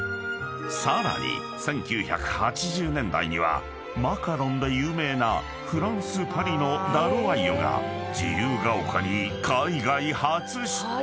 ［さらに１９８０年代にはマカロンで有名なフランス・パリのダロワイヨが自由が丘に海外初出店］